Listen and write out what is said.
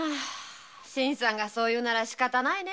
新さんがそう言うならしかたないね。